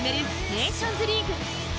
ネーションズリーグ。